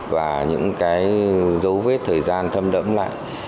và những cái dấu vết thời gian thâm đẫm lại